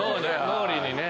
脳裏にね。